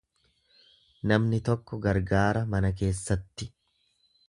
Namni tokko gargaara mana keessatti.